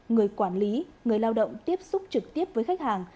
người quản lý người lao động tiếp xúc trực tiếp với khách hàng